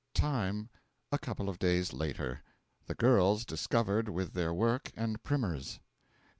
Time, a couple of days later. The girls discovered with their work and primers.